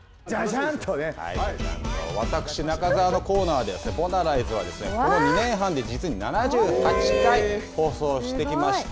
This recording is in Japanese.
私、中澤のコーナーでは、ボナライズはですね、この２年半で実に７８回、放送してきました。